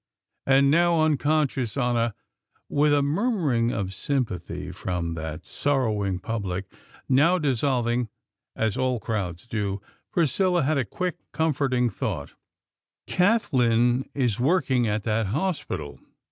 And now, unconscious on a, With a murmuring of sympathy from that sorrowing public, now dissolving, as all crowds do, Priscilla had a quick, comforting thought: "Kathlyn is working at that hospital!"